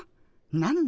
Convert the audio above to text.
何だ？